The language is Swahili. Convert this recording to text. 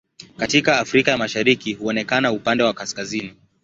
Katika Afrika ya Mashariki huonekana upande wa kaskazini.